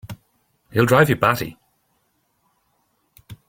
He'll drive you batty!